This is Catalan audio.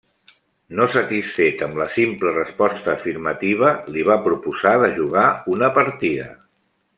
No satisfet amb la simple resposta afirmativa, li va proposar de jugar una partida.